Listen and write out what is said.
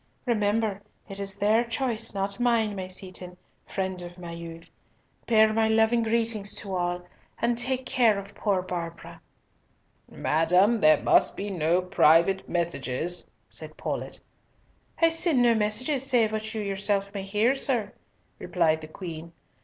Remember, it is their choice, not mine, my Seaton, friend of my youth. Bear my loving greetings to all. And take care of poor Barbara!" "Madam, there must be no private messages," said Paulett. "I send no messages save what you yourself may hear, sir," replied the Queen.